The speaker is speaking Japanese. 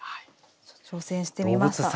挑戦してみました。